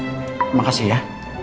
terima kasih ya